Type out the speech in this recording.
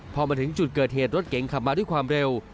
พอมาถึงจุดเกิดเหตุรถเก๋งขับมาด้วยความเร็ว